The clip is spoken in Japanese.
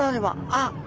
あっ。